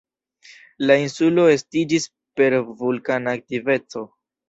La insulo estiĝis per vulkana aktiveco.